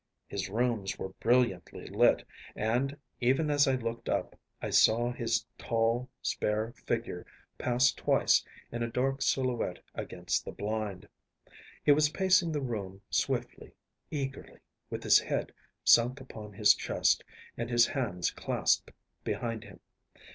His rooms were brilliantly lit, and, even as I looked up, I saw his tall, spare figure pass twice in a dark silhouette against the blind. He was pacing the room swiftly, eagerly, with his head sunk upon his chest and his hands clasped behind him.